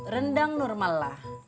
rendang normal lah